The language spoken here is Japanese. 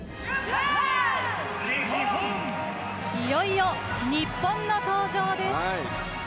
いよいよ日本の登場です。